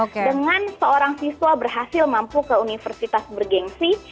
dengan seorang siswa berhasil mampu ke universitas bergensi